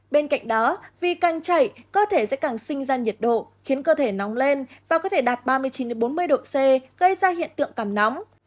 bên cạnh đó vì càng chảy cơ thể sẽ càng sinh ra nhiệt độ khiến cơ thể nóng lên và có thể đạt ba mươi chín bốn mươi độ c gây ra hiện tượng cảm nóng